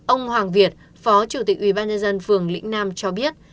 ông hoàng việt phó chủ tịch ubnd phường lĩnh nam cho biết